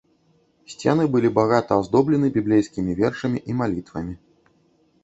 Сцены былі багата аздоблены біблейскімі вершамі і малітвамі.